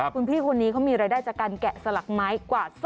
คุณพี่คนนี้เขามีรายได้จากการแกะสลักไม้กว่า